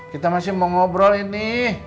kita masih mau ngobrol ini